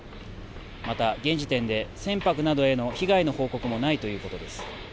また、現時点で船舶などへの被害の報告もないということです。